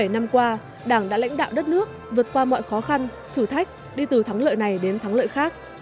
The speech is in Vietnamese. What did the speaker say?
bảy mươi năm qua đảng đã lãnh đạo đất nước vượt qua mọi khó khăn thử thách đi từ thắng lợi này đến thắng lợi khác